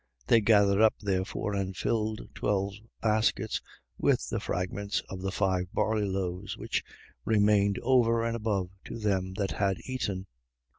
6:13. They gathered up therefore and filled twelve baskets with the fragments of the five barley loaves which remained over and above to them that had eaten.